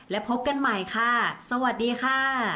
และพบกันใหม่ค่ะสวัสดีค่ะ